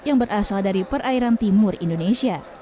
yang berasal dari perairan timur indonesia